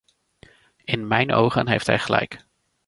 In mijn ogen heeft hij gelijk.